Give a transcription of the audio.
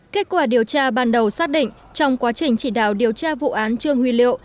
kết quả điều tra ban đầu xác định trong quá trình chỉ đạo điều tra vụ án trương huy liệu